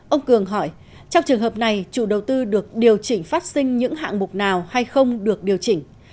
ông cường hỏi trong trường hợp này chủ đầu tư được điều chỉnh phát sinh những hạng mục nào hay không được điều chỉnh